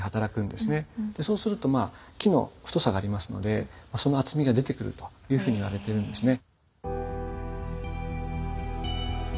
そうするとまあ木の太さがありますのでその厚みが出てくるというふうにいわれているんですね。